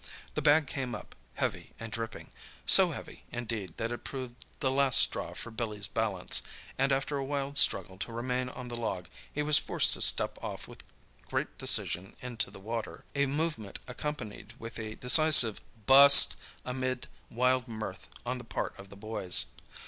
The bag came up, heavy and dripping—so heavy, indeed, that it proved the last straw for Billy's balance, and, after a wild struggle to remain on the log, he was forced to step off with great decision into the water, a movement accompanied with a decisive "Bust!" amidst wild mirth on the part of the boys.